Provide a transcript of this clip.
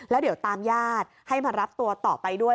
แล้วเดี๋ยวตามญาติให้มารับตัวต่อไปด้วย